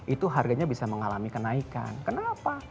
itu harganya bisa mengalami kenaikan kenapa